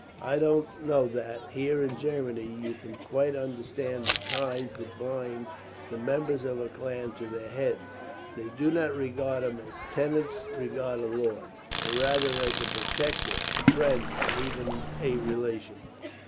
"I don't know that, here in Germany, you can quite understand the ties that bind the members of a clan to their head. They do not regard him as tenants regard a lord; but rather as a protector, a friend, and even a relation.